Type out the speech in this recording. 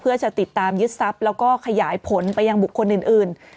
เพื่อจะติดตามยึดทรัพย์แล้วก็ขยายผลไปยังบุคคลอื่น